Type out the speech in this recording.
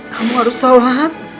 kamu harus sholat